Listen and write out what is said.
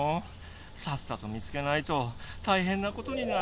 さっさと見つけないとたいへんなことになる。